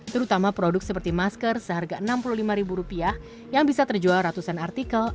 terutama produk seperti masker seharga rp enam puluh lima yang bisa terjual ratusan artikel